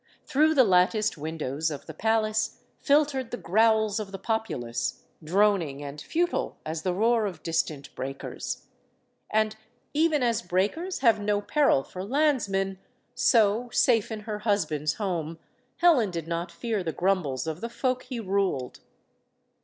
Through the latticed windows of the palace filtered the growls of the populace, droning and futile as the roar of distant breakers. And even as breakers have no peril for landsmen, so, safe in her husband's home, Helen did not fear the grumbles of the folk he ruled.